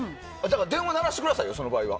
電話鳴らしてくださいよその場合は。